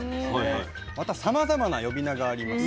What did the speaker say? またさまざまな呼び名があります。